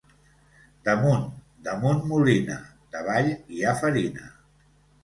Damunt, damunt, molina; davall hi ha farina.